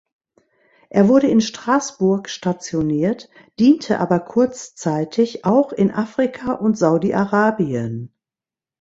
Er wurde in Straßburg stationiert, diente aber kurzzeitig auch in Afrika und Saudi-Arabien.